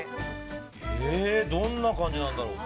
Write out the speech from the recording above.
◆へぇ、どんな感じなんだろうか。